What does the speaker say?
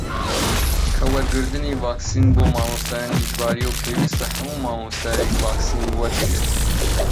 کە وەرگرتنی ڤاکسین بۆ مامۆستایان ئیجبارییە و پێویستە هەموو مامۆستایەک ڤاکسین وەربگرێت